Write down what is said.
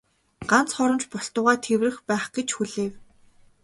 Ганц хором ч болтугай тэврэх байх гэж хүлээв.